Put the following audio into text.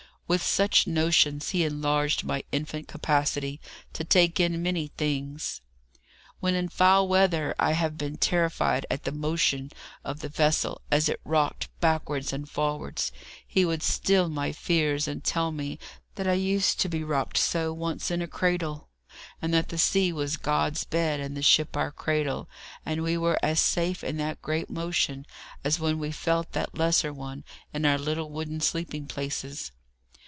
With such notions he enlarged my infant capacity to take in many things. When in foul weather I have been terrified at the motion of the vessel, as it rocked backwards and forwards, he would still my fears, and tell me that I used to be rocked so once in a cradle, and that the sea was God's bed and the ship our cradle, and we were as safe in that great motion as when we felt that lesser one in our little wooden sleeping places.